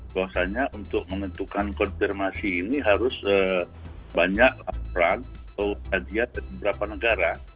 bahwasannya untuk menentukan konfirmasi ini harus banyak laporan atau hadiah dari beberapa negara